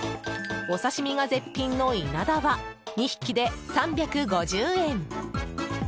お刺し身が絶品のイナダは２匹で３５０円！